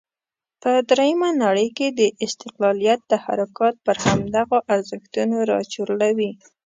په درېمه نړۍ کې د استقلالیت تحرکات پر همدغو ارزښتونو راچورلوي.